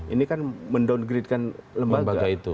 ini kan mendowngrade kan lembaga